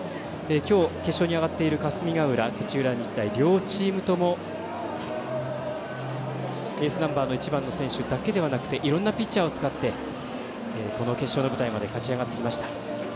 今日、決勝に上がっている霞ヶ浦、土浦日大両チームともエースナンバーの１番の選手だけではなくていろんなピッチャーを使ってこの決勝の舞台まで勝ち上がってきました。